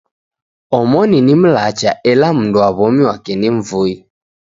Omoni ni mlacha ela mundu wa w'omi w'ake ni mvui.